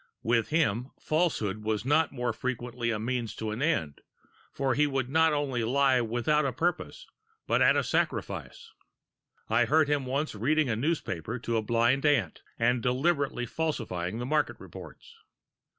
With him falsehood was not more frequently a means than an end; for he would not only lie without a purpose but at a sacrifice. I heard him once reading a newspaper to a blind aunt, and deliberately falsifying the market reports.